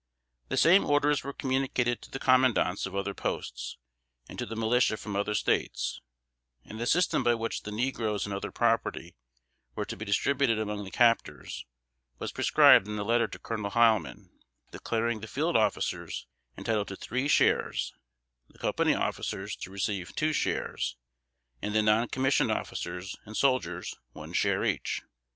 The same orders were communicated to the Commandants of other posts, and to the militia from other States; and the system by which the negroes and other property were to be distributed among the captors, was prescribed in a letter to Colonel Heilman, declaring the field officers entitled to three shares, the company officers to receive two shares, and the non commissioned officers and soldiers one share each.